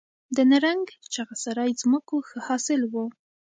د نرنګ، چغه سرای ځمکو ښه حاصل و